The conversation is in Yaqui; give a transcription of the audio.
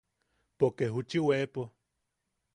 Poke juchi weepo.